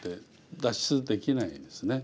脱出できないんですね。